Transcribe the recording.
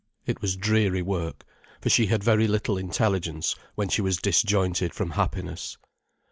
It was dreary work, for she had very little intelligence when she was disjointed from happiness.